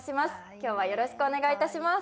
今日はよろしくお願いいたします